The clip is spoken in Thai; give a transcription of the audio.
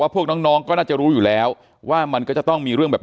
พวกน้องก็น่าจะรู้อยู่แล้วว่ามันก็จะต้องมีเรื่องแบบ